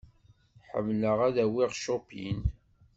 Ḥemmleɣ ad d-awiɣ Chopin.